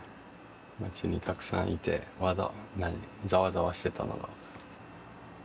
町にたくさんいてまだざわざわしてたのが。